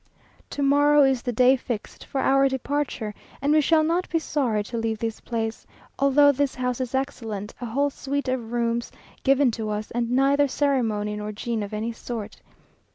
To morrow is the day fixed for our departure, and we shall not be sorry to leave this place, although this house is excellent, a whole suite of rooms given to us, and neither ceremony nor gene of any sort.